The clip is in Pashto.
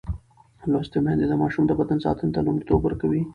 لوستې میندې د ماشوم د بدن ساتنې ته لومړیتوب ورکوي.